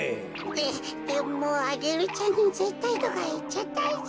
ででもアゲルちゃんにぜったいとかいっちゃったし。